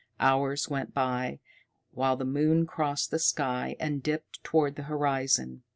Hours went by, while the moon crossed the sky and dipped toward the horizon.